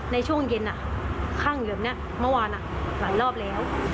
ในช่วงเย็นอ่ะขั้งเหลือแบบเนี้ยเมื่อวานอ่ะหลายรอบแล้ว